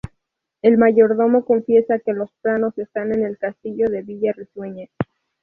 El mayordomo confiesa que los planos están en el castillo de Villa Risueña.